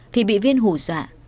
thì bị viên hủ dọa